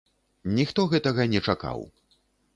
Ніхто гэтага не чакаў.